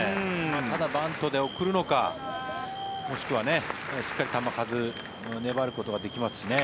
ただ、バントで送るのかもしくはしっかり球数、粘ることができますしね。